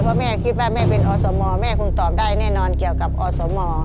เพราะแม่คิดว่าแม่เป็นอสมแม่คงตอบได้แน่นอนเกี่ยวกับอสม